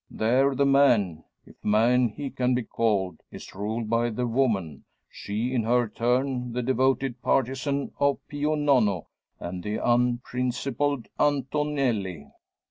There the man if man he can be called is ruled by the woman; she in her turn the devoted partisan of Pio Nono and the unprincipled Antonelli."